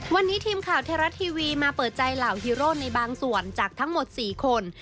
วันนี้ทีมข่าวไทยรัฐทีวีมาเปิดใจเหล่าฮีโร่ในบางส่วนจากทั้งหมด๔คน